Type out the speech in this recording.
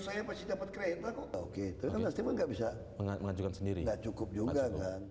saya pasti dapat kredit oke nggak bisa sendiri cukup juga